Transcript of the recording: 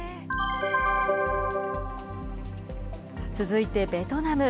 続いてベトナム。